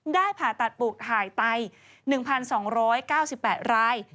ผ่าตัดปลูกหายไต๑๒๙๘ราย